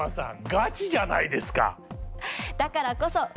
ガチじゃないですか！